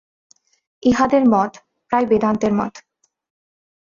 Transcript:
ইঁহাদের মত প্রায় বেদান্তের মত।